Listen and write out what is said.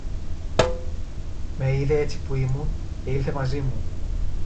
Με είδε έτσι που ήμουν, και ήλθε μαζί μου